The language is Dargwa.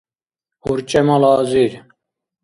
урчӀемал азир